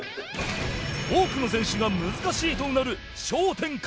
多くの選手が難しいとうなる昇天・改